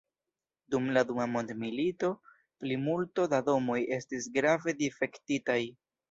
Dum la dua mondmilito plimulto da domoj estis grave difektitaj.